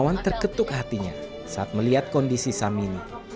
dewan terketuk hatinya saat melihat kondisi samini